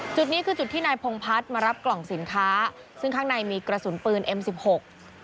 จุดนี้คือจุดที่นายพงพัฒน์มารับกล่องสินค้าซึ่งข้างในมีกระสุนปืนเอ็มสิบหก